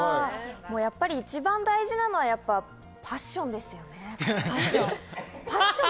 一番大事なのはパッションですよね。